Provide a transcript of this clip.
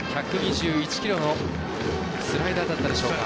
１２１キロのスライダーだったでしょうか。